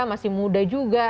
masih muda juga